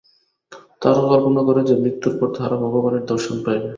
তাহারা কল্পনা করে যে, মৃত্যুর পর তাহারা ভগবানের দর্শন পাইবে।